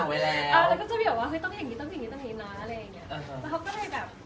ว่าจะกลัวไปก่อนถ้าชาขอแบบนั้นจะทำแบบ